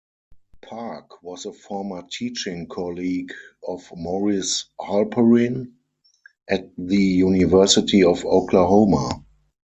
Park was a former teaching colleague of Maurice Halperin at the University of Oklahoma.